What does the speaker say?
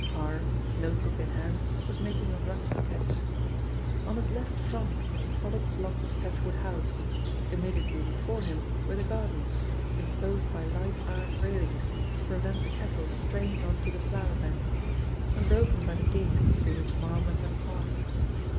Parr, note book in hand, was making a rough sketch. On his left front was the solid block of Sedgwood House, immediately before him were the gardens, enclosed by light iron railings to prevent the cattle straying on to the flower beds, and broken by the gate through which Marl must have passed.